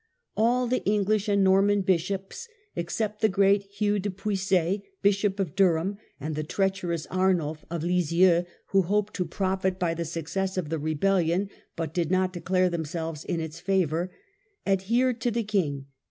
All the English and Norman bishops (except the great Hugh de Puiset, Bishop of Durham, and the treacherous Arnulf of Liisieux, who hoped to profit by the success of the rebellion but did not declare themselves in its favour) adhered to the king.